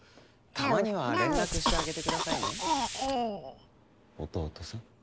たまには連絡してあげてくださいね弟さん。